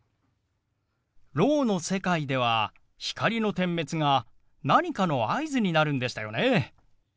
ろうの世界では光の点滅が何かの合図になるんでしたよね。